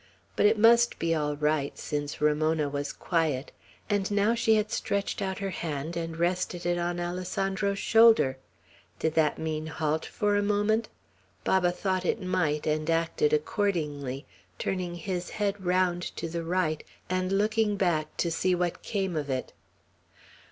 But it must be all right, since Ramona was quiet; and now she had stretched out her hand and rested it on Alessandro's shoulder. Did that mean halt for a moment? Baba thought it might, and acted accordingly; turning his head round to the right, and looking back to see what came of it.